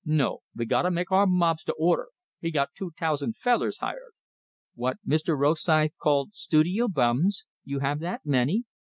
No, ve gotta make our mobs to order; we got two tousand fellers hired " "What Mr. Rosythe called 'studio bums'? You have that many?"